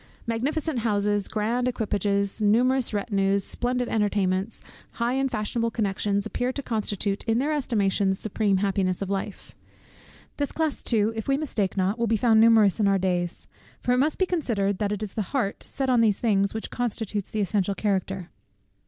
Magnificent houses, grand equipages, numerous retinues, splendid entertainments, high and fashionable connections, appear to constitute, in their estimation, the supreme happiness of life. This class too, if we mistake not, will be found numerous in our days; for it must be considered, that it is the heart, set on these things, which constitutes the essential character.